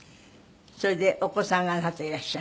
それでお子さんがあなたいらっしゃる。